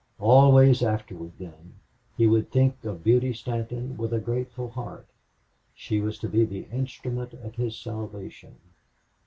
Always afterward, then, he would think of Beauty Stanton with a grateful heart. She was to be the instrument of his salvation.